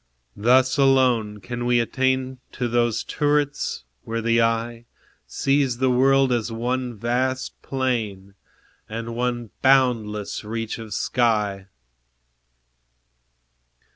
Thus alone can we attain To those turrets, where the eye Sees the world as one vast plain, And one boundless reach of sky.